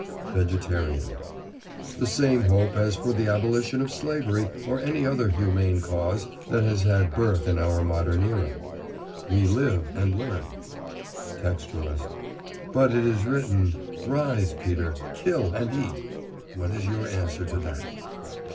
VEGETARIAN: The same hope as for the abolition of slavery, or any other humane cause that has had birth in our modern era. We live and learn. TEXTUALIST: But it is written, "Rise, Peter, kill and eat." What is your answer to that?